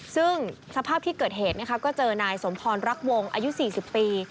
ซึ่งสภาพที่เกิดเหตุก็เจอนายสมพรรักวงอายุ๔๐ปี